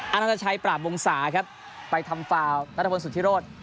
อันนั้นตชัยปราบวงศาครับไปทำฟาวนัทพลสุธิโรธ